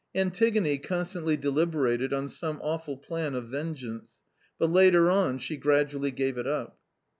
Antigone constantly deliberated on some awful plan of vengeance, but later on she gradually gave it up.